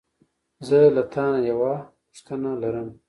زه له تا نه یوه پوښتنه لرم.